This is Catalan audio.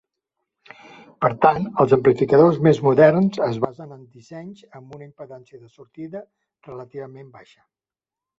Per tant, els amplificadors més moderns es basen en dissenys amb una impedància de sortida relativament baixa.